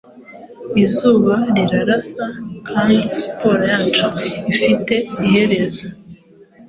Izuba rirarasa, Kandi siporo yacu ifite iherezo.